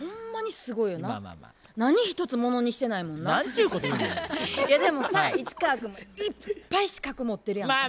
いやでもさ市川君いっぱい資格持ってるやんか。